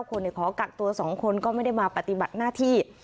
คนขอกักตัว๒คนก็ไม่ได้มาปฏิบัติหน้าที่